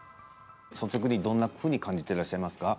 率直にどんなふうに感じていらっしゃいますか？